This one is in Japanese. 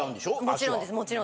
もちろんです。